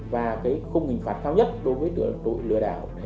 và không hình phạt cao nhất đối với tiền tội lừa đảo